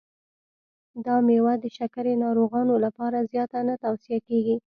دا مېوه د شکرې ناروغانو لپاره زیاته نه توصیه کېږي.